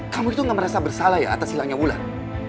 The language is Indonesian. kamu itu gak merasa bersalah ya atas hilangnya wulan